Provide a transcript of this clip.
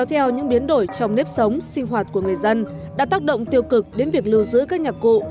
trong nếp sống sinh hoạt của người dân đã tác động tiêu cực đến việc lưu giữ các nhà cụ